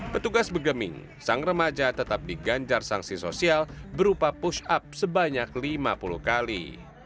petugas begeming sang remaja tetap diganjar sanksi sosial berupa push up sebanyak lima puluh kali